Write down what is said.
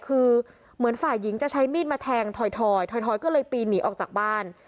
คือเหมือนฝ่ายหญิงจะใช้มีดมาแทงถอยถอยก็เลยปีนหนีออกจากบ้าน